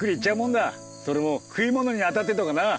それも食い物にあたってとかな。